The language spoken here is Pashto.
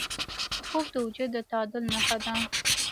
خوب د وجود د تعادل نښه ده